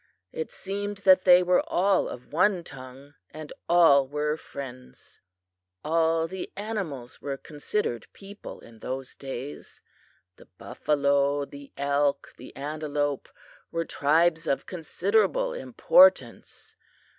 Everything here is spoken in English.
It seemed that they were all of one tongue, and all were friends. "All the animals were considered people in those days. The buffalo, the elk, the antelope, were tribes of considerable importance.